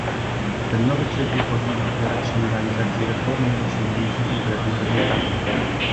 Ten nowy cykl powinien opierać się na realizacji reformy i osiągnięciu konkretnych rezultatów